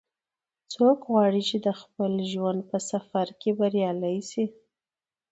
څوک غواړي چې د خپل ژوند په سفر کې بریالۍ شي